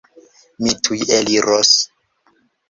Mi tuj eliros!